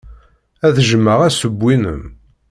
Ad jjmeɣ assewwi-nnem.